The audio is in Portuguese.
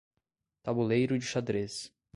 Tabuleiro de xadrez